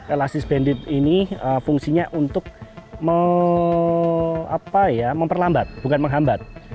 elastis bandit ini fungsinya untuk memperlambat bukan menghambat